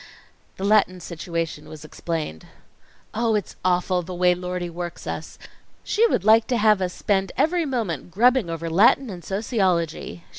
The Latin situation was explained. "Oh, it's awful the way Lordie works us! She would like to have us spend every moment grubbing over Latin and sociology.